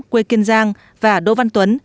quê kiên giang và đỗ văn tuấn